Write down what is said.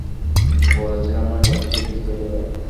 বলেছিলাম না সবকিছু ঠিক হয়ে যাবে!